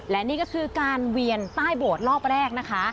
และนี่ก็คือการเวียนใต้โบสถ์รอบแรกนะคะ